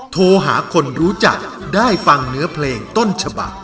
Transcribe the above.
โทรหาคนรู้จักได้ฟังเนื้อเพลงต้นฉบัก